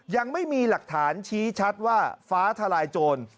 ยังไม่มีหลักฐานชี้ชัดว่าฟ้าทลายโจร